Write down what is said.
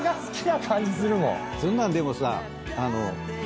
そんなんでもさあの。